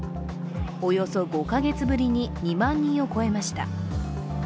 およそ５カ月ぶりに２万人を超えました。